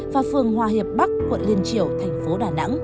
và phường hòa hiệp bắc quận liên triều thành phố đà nẵng